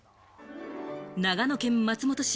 長野県松本市。